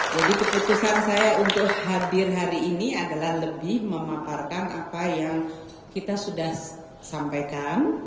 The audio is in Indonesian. jadi keputusan saya untuk hadir hari ini adalah lebih memaparkan apa yang kita sudah sampaikan